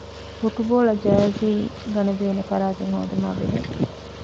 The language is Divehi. ފުޓްބޯޅަ ޖާރޒީ ގަނެދޭނެ ފަރާތެއް ހޯދުމާބެހޭ